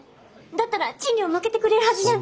だったら賃料負けてくれるはずじゃ。